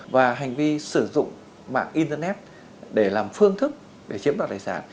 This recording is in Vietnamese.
và hành vi sử dụng mạng internet để làm phương thức để chiếm đoạt tài sản